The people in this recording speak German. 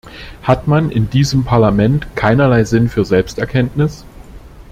Hat man in diesem Parlament keinerlei Sinn für Selbsterkenntnis?